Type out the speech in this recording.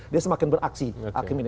dia semakin beraksi hakim ini